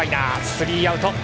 スリーアウト。